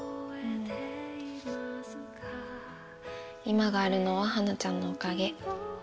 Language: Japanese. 今があるのははなちゃんのおかげ。